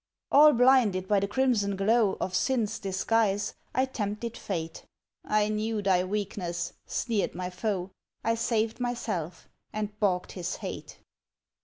All blinded by the crimson glow Of sin's disguise, I tempted Fate. "I knew thy weakness!" sneered my foe, I saved myself, and balked his hate.